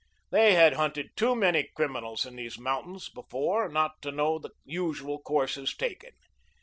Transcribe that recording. They had hunted too many criminals in these mountains before not to know the usual courses taken.